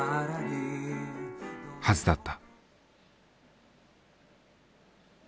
はずだった。